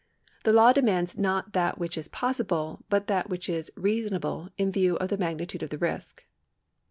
The law demands not that which is possible, but that which is reason able in view of the magnitude of the risk.